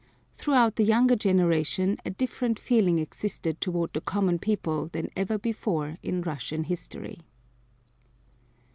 Throughout the younger generation a different feeling existed toward the common people than ever before in Russian history.